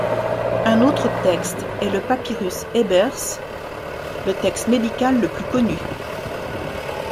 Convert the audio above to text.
Un autre texte est le papyrus Ebers, le texte médical le plus connu.